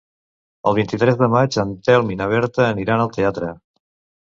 El vint-i-tres de maig en Telm i na Berta aniran al teatre.